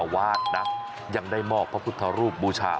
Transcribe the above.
วาดนะยังได้มอบพระพุทธรูปบูชา